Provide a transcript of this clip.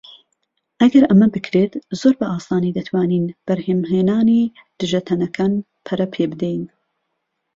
ئەگەر ئەمە بکرێت، زۆر بە ئاسانی دەتوانین بەرهەمهێنانی دژەتەنەکان پەرە پێبدەین.